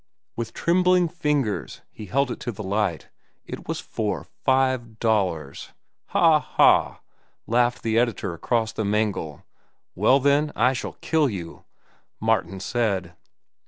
With trembling fingers he held it to the light. It was for five dollars. "Ha! Ha!" laughed the editor across the mangle. "Well, then, I shall kill you," Martin said.